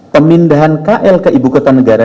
pemindahan kl ke ibu kota negara